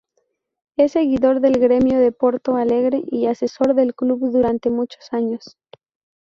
Es seguidor del Grêmio de Porto Alegre, y asesor del club durante muchos años.